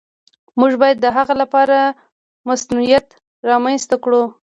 موږ باید د هغه لپاره مصونیت رامنځته کړو.